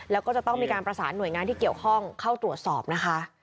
แล้วก็จะต้องมีการประสานหน่วยงานที่เกี่ยวข้องเข้าตรวจสอบนะคะ